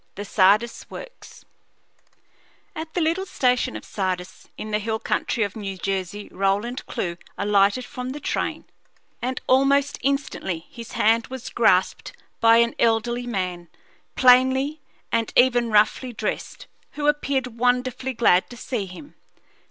THE SARDIS WORKS At the little station of Sardis, in the hill country of New Jersey, Roland Clewe alighted from the train, and almost instantly his hand was grasped by an elderly man, plainly and even roughly dressed, who appeared wonderfully glad to see him.